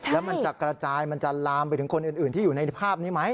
แล้วมันจะกระจายมันจะลามไปถึงคนอื่นที่อยู่ในภาพนี้ไหม